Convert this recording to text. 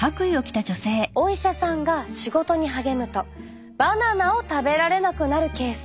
お医者さんが仕事に励むとバナナを食べられなくなるケース。